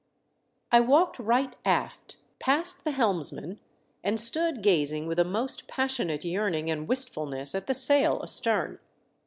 I walked right aft, past the helmsman, and stood gazing with a most passionate yearning and wistful ness at the sail astern.